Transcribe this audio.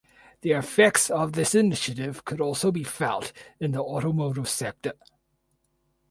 The effects of this initiative could also be felt in the automotive sector.